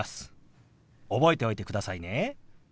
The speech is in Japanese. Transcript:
覚えておいてくださいね。